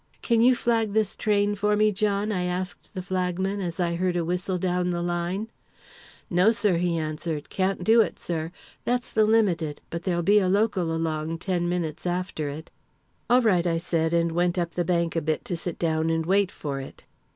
"'Can you flag this train for me, John?' I asked the flagman, as I heard a whistle down the line. "'No, sir,' he answered; 'can't do it, sir. That's the limited, but there'll be a local along ten minutes after it.' "'All right,' I said, and went up the bank a bit to sit down and wait for it.